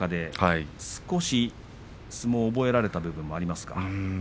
少し相撲を覚えられたことがありますか。